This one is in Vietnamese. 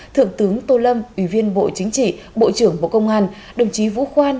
thượng tướng tô lâm ủy viên bộ chính trị bộ trưởng bộ công an đồng chí vũ khoan